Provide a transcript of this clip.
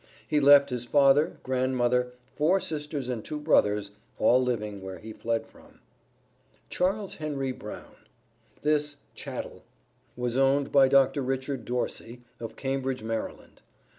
He left his father, grand mother, four sisters and two brothers, all living where he fled from. Charles Henry Brown. This "chattel" was owned by Dr. Richard Dorsey, of Cambridge, Maryland.